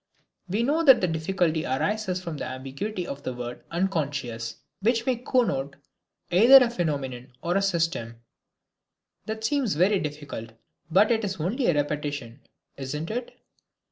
We know that the difficulty arises from the ambiguity of the word "unconscious," which may connote either a phenomenon or a system. That seems very difficult, but it is only a repetition, isn't it?